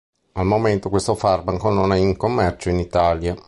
Al momento questo farmaco non è in commercio in Italia.